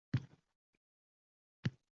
U yurtning lashkari bu yurtnikiga ot suribdi.